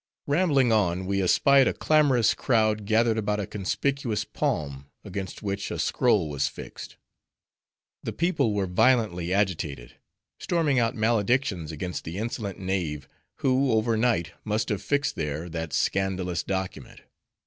Rambling on, we espied a clamorous crowd gathered about a conspicuous palm, against which, a scroll was fixed. The people were violently agitated; storming out maledictions against the insolent knave, who, over night must have fixed there, that scandalous document.